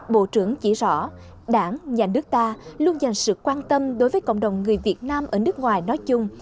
bộ trưởng chỉ rõ đảng nhà nước ta luôn dành sự quan tâm đối với cộng đồng người việt nam ở nước ngoài nói chung